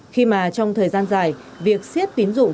khi mà trong thời gian dài việc siết tín dụng